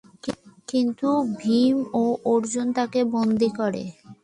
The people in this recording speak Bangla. কিন্তু ভীম ও অর্জুন তাকে বন্দী করে।